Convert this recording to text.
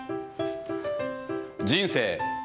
人生。